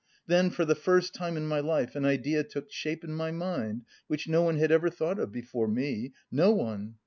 Then for the first time in my life an idea took shape in my mind which no one had ever thought of before me, no one!